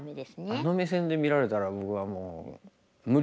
あの目線で見られたら僕はもう無理ですね。